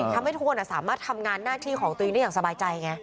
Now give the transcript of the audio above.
ทำให้ทุกคนสามารถทำงานหน้าที่ของตัวเองได้อย่างสบายใจไง